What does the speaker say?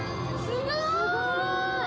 すごーい！